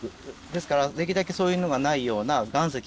ですからできるだけそういうのがないような。